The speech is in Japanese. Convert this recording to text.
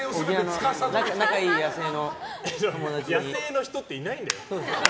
野生の人っていないんだよ。